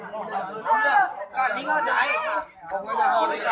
กลับมาเช็ดตาของมอง